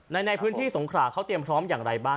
ในพื้นที่สงขราเขาเตรียมพร้อมอย่างไรบ้าง